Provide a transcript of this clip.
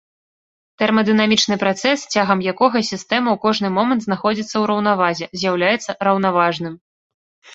Тэрмадынамічны працэс, цягам якога сістэма ў кожны момант знаходзіцца ў раўнавазе, з'яўляецца раўнаважным.